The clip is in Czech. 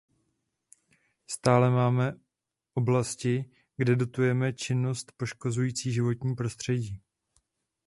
Stále máme oblasti, kde dotujeme činnost poškozující životní prostředí.